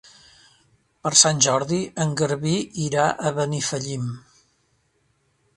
Per Sant Jordi en Garbí irà a Benifallim.